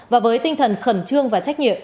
và với tinh thần khẩn trương và trách nhiệm